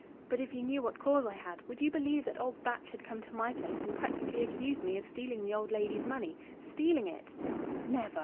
But if you knew what cause I had ...! Would you believe that old Batch had come to my place, and practically accused me of stealing the old lady's money stealing it!" "Never!"